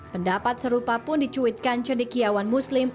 pendapat serupa pun dicuitkan cendikiawan muslim